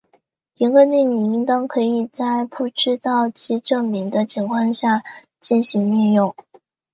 一个定理应当可以在不知道其证明的情况下进行应用。